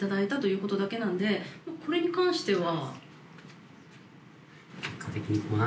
これに関しては。